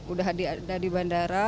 udah ada di bandara